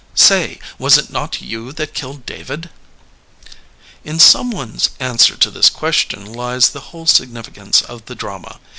Say, was it not you that killed David f In Someone's answer to this question lies the whole significance of the drama.